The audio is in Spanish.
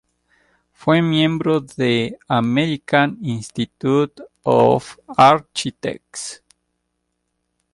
Fue miembro de American Institute of Architects.